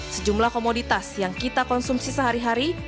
sejumlah komoditas yang kita konsumsi sehari hari